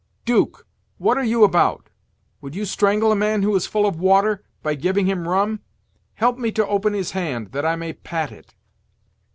'Duke, what are you about? would you strangle a man who is full of water, by giving him rum? Help me to open his hand, that I may pat it."